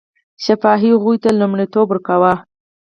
شفاهي هغو ته لومړیتوب ورکاوه.